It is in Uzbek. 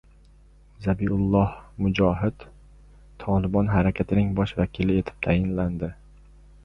Zabiulloh Mujohid “Tolibon” harakatining bosh vakili etib tayinlandi